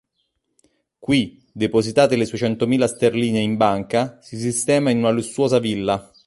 Qui, depositate le sue centomila sterline in banca, si sistema in una lussuosa villa.